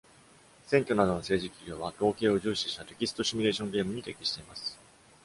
選挙などの政治企業は、統計を重視したテキストシミュレーションゲームに適しています。